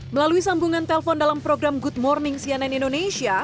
melalui sambungan telpon dalam program good morning cnn indonesia